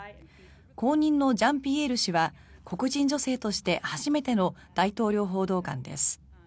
後任のジャンピエール氏は黒人女性として初めての大統領報道官です。